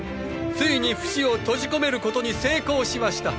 ついにフシを閉じ込めることに成功しました！！